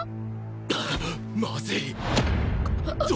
あっまずい毒！？